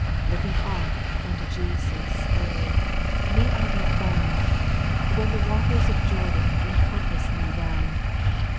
6. Looking off unto Jesus Oh I may I be found, When the waters of Jordan Encompass me round